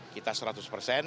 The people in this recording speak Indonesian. kita seratus persen